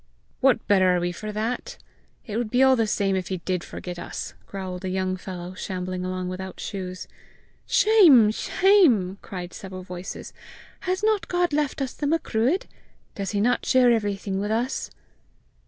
"What better are we for that? It would be all the same if he did forget us!" growled a young fellow shambling along without shoes. "Shame! Shame!" cried several voices. "Has not God left us the Macruadh? Does he not share everything with us?"